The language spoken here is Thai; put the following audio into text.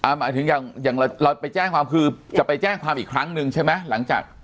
หมายถึงอย่างเราไปแจ้งความคือจะไปแจ้งความอีกครั้งหนึ่งใช่ไหมหลังจาก